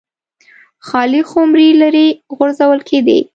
خالي خُمرې لرې غورځول کېدې.